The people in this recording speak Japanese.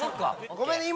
ごめんね今。